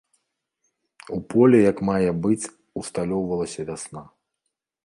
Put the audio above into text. У полі як мае быць асталёўвалася вясна.